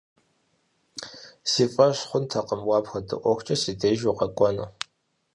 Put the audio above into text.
Си фӀэщ хъунтэкъым уэ апхуэдэ ӀуэхукӀэ си деж укъэкӀуэну.